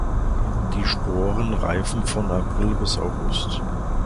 Die Sporen reifen von April bis August.